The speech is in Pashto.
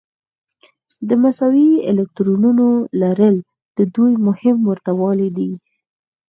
د مساوي الکترونونو لرل د دوی مهم ورته والی دی.